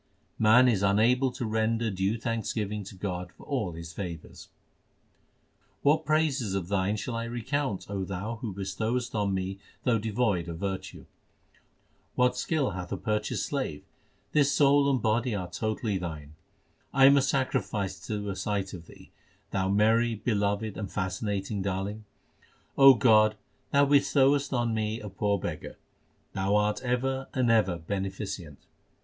Man is unable to render due thanksgiving to God for all His favours : What praises of Thine shall I recount, O Thou who bestowest on me though devoid of virtue ? What skill hath a purchased slave ? this soul and body are totally Thine. I am a sacrifice to a sight of Thee, Thou merry, beloved, and fascinating Darling. O God, Thou bestowest on me a poor beggar ; Thou art ever and ever beneficent.